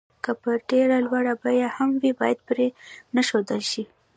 که په ډېره لوړه بيه هم وي بايد پرې نه ښودل شي.